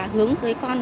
hướng với con